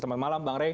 selamat malam bang ray